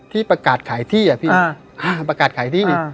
ที่ประกาศขายที่